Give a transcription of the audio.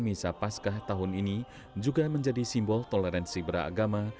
pembangunan pekan suci pasca tahun ini juga menjadi simbol toleransi beragama